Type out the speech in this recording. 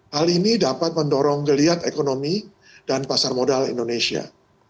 hal ini dapat mendorong geliat ekonomi dan pasar modal indonesia